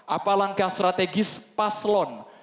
apa langkah strategis paslon